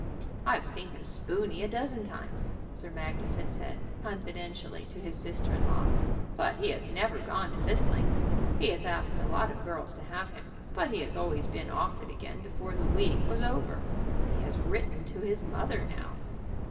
"I've seen him spooney a dozen times," Sir Magnus had said, confidentially, to his sister in law, "but he has never gone to this length. He has asked a lot of girls to have him, but he has always been off it again before the week was over. He has written to his mother now."